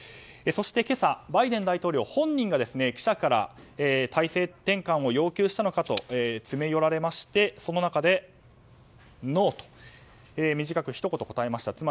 そして今朝、バイデン大統領本人が、記者から体制転換を要求したのかと詰め寄られまして、その中でノーと短くひと言答えました。